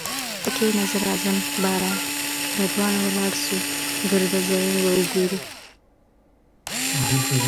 ته کښینه زه راځم باره به دواړه ولاړسو ګرده ځایونه به وګورو